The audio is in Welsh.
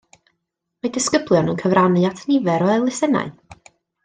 Mae disgyblion yn cyfrannu at nifer o elusennau